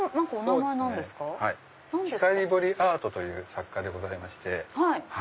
光彫りアートという作家でございまして。